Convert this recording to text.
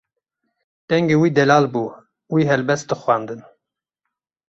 Dengê wî delal bû, wî helbest dixwandin.